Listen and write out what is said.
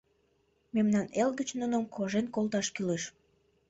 Мемнан эл гыч нуным кожен колташ кӱлеш!